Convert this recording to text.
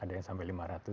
ada yang sampai lima ratus